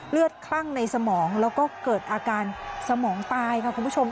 คลั่งในสมองแล้วก็เกิดอาการสมองตายค่ะคุณผู้ชม